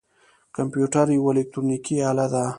کمپیوټر یوه الکترونیکی آله ده